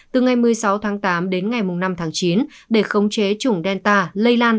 từ ngày một mươi sáu tám đến ngày năm chín để khống chế chủng delta lây lan